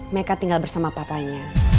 meka tinggal bersama papanya